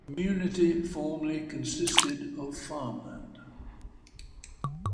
The community formerly consisted primarily of farmland.